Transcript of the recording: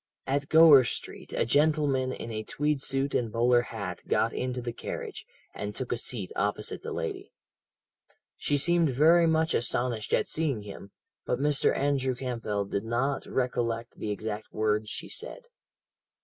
"At Gower Street, a gentleman in a tweed suit and bowler hat got into the carriage, and took a seat opposite the lady. "She seemed very much astonished at seeing him, but Mr. Andrew Campbell did not recollect the exact words she said.